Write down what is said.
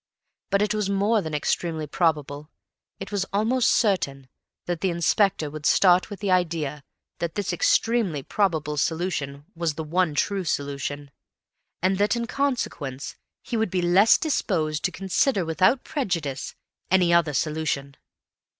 But it was more than extremely probable, it was almost certain that the Inspector would start with the idea that this extremely probable solution was the one true solution, and that, in consequence, he would be less disposed to consider without prejudice any other solution.